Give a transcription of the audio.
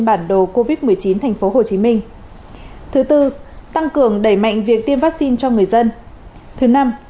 bản đồ covid một mươi chín tp hcm thứ tư tăng cường đẩy mạnh việc tiêm vaccine cho người dân thứ năm